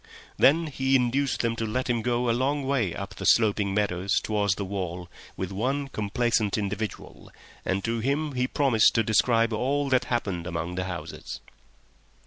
Then he induced them to let him go a long way up the sloping meadows towards the wall with one complaisant individual, and to him he promised to describe all that happened among the houses.